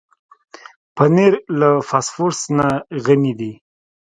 پنېر له فاسفورس نه غني دی.